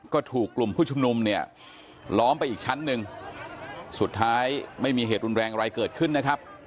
ก็ถูกกลุ่มผู้ชุมนุมเนี่ยล้อมไปอีกชั้นหนึ่งสุดท้ายไม่มีเหตุรุนแรงอะไรเกิดขึ้นนะครับ